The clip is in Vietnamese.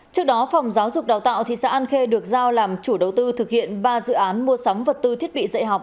trước đó phòng giáo dục đào tạo thị xã an khê được giao làm chủ đầu tư thực hiện ba dự án mua sắm vật tư thiết bị dạy học